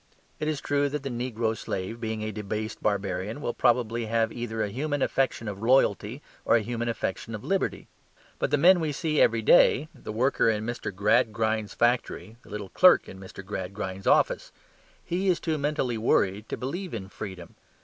It is true that the negro slave, being a debased barbarian, will probably have either a human affection of loyalty, or a human affection for liberty. But the man we see every day the worker in Mr. Gradgrind's factory, the little clerk in Mr. Gradgrind's office he is too mentally worried to believe in freedom.